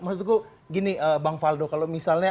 maksudku gini bang faldo kalau misalnya